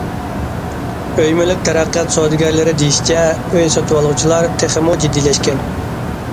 ئۆي- مۈلۈك تەرەققىيات سودىگەرلىرى دېيىشىچە، ئۆي سېتىۋالغۇچىلار تېخىمۇ جىددىيلەشكەن.